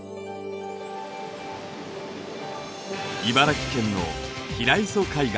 茨城県の平磯海岸。